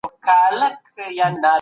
که موږ نن په دې